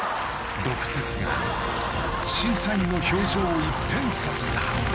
毒舌が審査員の表情を一変させた。